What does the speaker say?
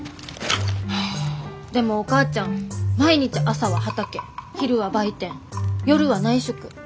でもお母ちゃん毎日朝は畑昼は売店夜は内職。